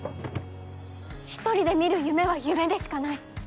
「ひとりで見る夢は夢でしかない。